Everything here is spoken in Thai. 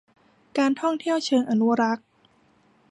การท่องเที่ยวเชิงอนุรักษ์